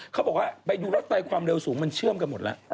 เขาบอกว่าไปดูรถไฟความเร็วสูงมันเชื่อมกันหมดแล้ว